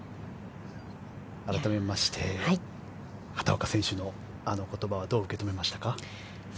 改めまして畑岡選手のあの言葉はどう受け止めましたか？